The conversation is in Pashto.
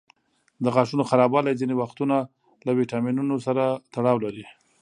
د غاښونو خرابوالی ځینې وختونه له ویټامینونو سره تړاو لري.